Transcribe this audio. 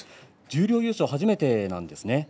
十両優勝、初めてなんですね。